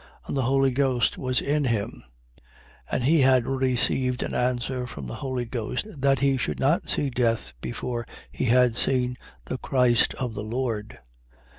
And the Holy Ghost was in him. 2:26. And he had received an answer from the Holy Ghost, that he should not see death before he had seen the Christ of the Lord.